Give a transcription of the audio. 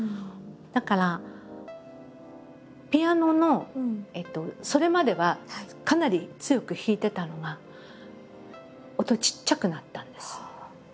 だからピアノのそれまではかなり強く弾いてたのが音ちっちゃくなったんです。